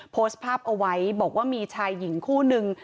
โพสต์ภาพเอาไว้บอกว่ามีชายหญิงคู่นึง